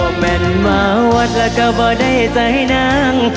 แม่นมาวัดแล้วก็บ่ได้ใจนาง